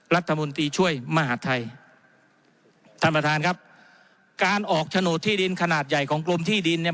รัฐมนตรีช่วยมหาดไทยท่านประธานครับการออกโฉนดที่ดินขนาดใหญ่ของกรมที่ดินเนี่ย